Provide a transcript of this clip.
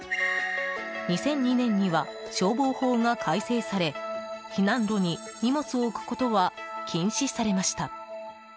２００２年には消防法が改正され避難路に荷物を置くことは禁止されました。